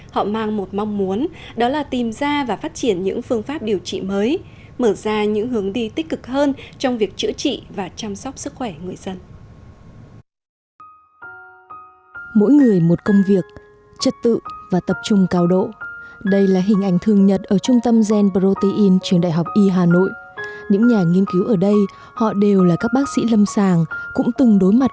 họ mang một mong muốn đó là tìm ra và phát triển những phương pháp điều trị mới mở ra những hướng đi tích cực hơn trong việc chữa trị và chăm sóc sức khỏe người dân